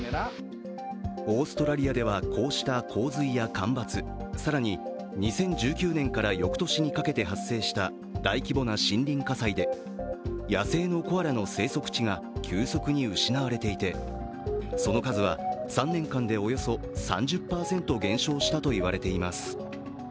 オーストラリアではこうした洪水や干ばつ更に２０１９年から翌年にかけて発生した大規模な森林火災で野生のコアラの生息地が急速に失われていて、その数は３年間でおよそ３０％減少したといわれています。